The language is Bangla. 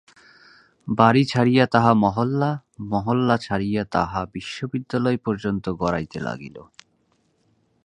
বাড়ি ছাড়িয়া তাহা মহল্লা, মহল্লা ছাড়াইয়া তাহা বিশ্ববিদ্যালয় পর্যন্ত গড়াইতে লাগিল।